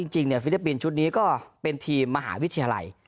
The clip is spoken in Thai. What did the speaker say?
จริงเนี่ยฟิลิปปินชุดนี้ก็เป็นทีมมหาวิทยาลัย